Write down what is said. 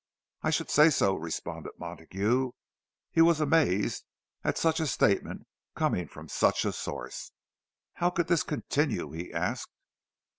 "I should say so!" responded Montague. He was amazed at such a statement, coming from such a source. "How could this continue?" he asked.